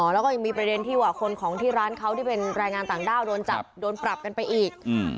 แล้วก็ยังมีประเด็นที่ว่าคนของที่ร้านเขาที่เป็นแรงงานต่างด้าวโดนจับโดนปรับกันไปอีก